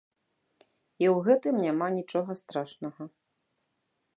І ў гэтым няма нічога страшнага.